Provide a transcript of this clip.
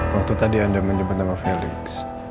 waktu tadi anda menyebut nama felix